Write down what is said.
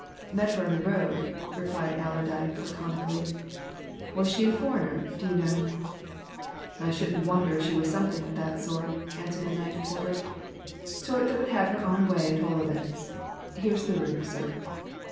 "Met her on the road," replied Allerdyke laconically. "Was she a foreigner, do you know?" "I shouldn't wonder if she was something of that sort," answered the night porter. "Sort that would have her own way at all events. Here's the room, sir."